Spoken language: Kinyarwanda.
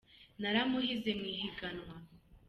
naramuhize mwihiganwa.